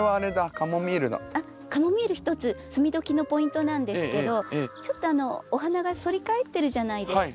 カモミール一つ摘みどきのポイントなんですけどちょっとお花が反り返ってるじゃないですか。